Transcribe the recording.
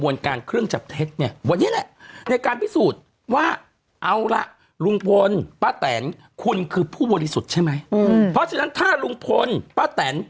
เสร็จแล้วคุณแม่คุณแม่